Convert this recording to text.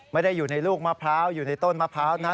ไม่ได้อยู่ในลูกมะพร้าวอยู่ในต้นมะพร้าวนะ